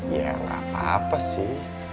ya nggak apa apa sih